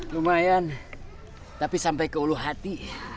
lumayan tapi sampai ke ulu hati